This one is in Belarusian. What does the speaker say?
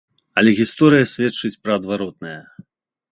Але гісторыя сведчыць пра адваротнае.